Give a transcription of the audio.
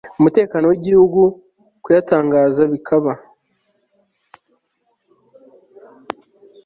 umutekano w igihugu kuyatangaza bikaba